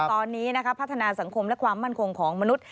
ตอนนี้พัฒนาสังคมและความมั่นคงของมนุษย